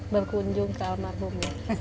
berkunjung ke almarhum